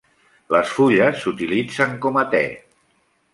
Les fulles s'utilitzen com a te.